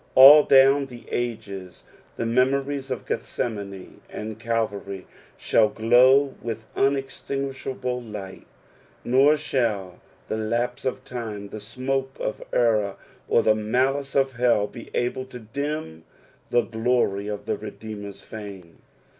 All down the ages the memories ol Gethsemane and Calvary shall glow with uneitinguiahable light ; nor shall the lapse of time, Che smoke of error, or the malice of hell be able to dim the glory of the Redeemer's fame.